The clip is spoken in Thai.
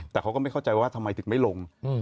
แต่เขาก็ไม่เข้าใจว่าทำไมถึงไม่ลง